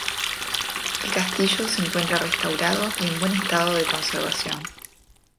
El castillo se encuentra restaurado y en buen estado de conservación.